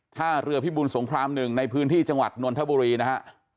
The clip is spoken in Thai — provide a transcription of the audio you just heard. ท่าเรือพิบุญสงคราม๑ในพื้นที่จังหวัดนนทบุรีนะฮะ